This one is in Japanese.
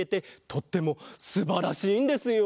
とってもすばらしいんですよ。